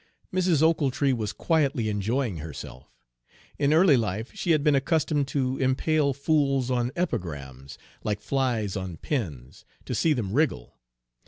Mrs. Ochiltree was quietly enjoying herself. In early life she had been accustomed to impale fools on epigrams, like flies on pins, to see them wriggle.